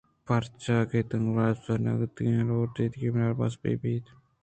پرچاکہ تنیگہ بناربس نیاتکگ اَت ءُآئیءَ لوٹ اِت کہ بناربس بئیت اِنت